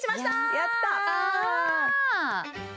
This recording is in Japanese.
やったー！